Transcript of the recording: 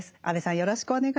よろしくお願いします。